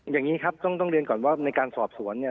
อย่างนี้ครับต้องเรียนก่อนว่าในการสอบสวนเนี่ย